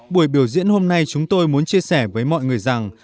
buổi biểu diễn hôm nay chúng tôi muốn chia sẻ với mọi người rằng